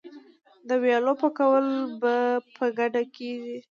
د ویالو پاکول په ګډه کیږي.